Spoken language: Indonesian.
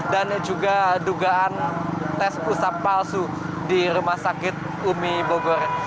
dan juga dugaan tes pusat palsu di rumah sakit umi bogor